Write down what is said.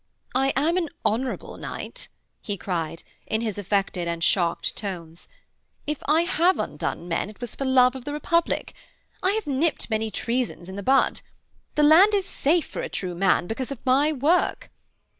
'I am an honourable knight,' he cried, in his affected and shocked tones. 'If I have undone men, it was for love of the republic. I have nipped many treasons in the bud. The land is safe for a true man, because of my work.'